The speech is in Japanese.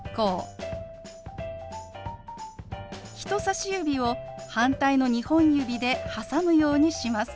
人さし指を反対の２本指で挟むようにします。